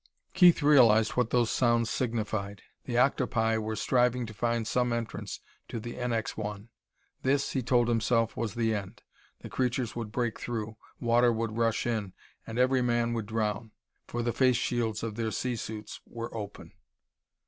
Keith realized what those sounds signified: the octopi were striving to find some entrance to the NX 1! This, he told himself, was the end. The creatures would break through; water would rush in, and every man would drown. For the face shields of their sea suits were open!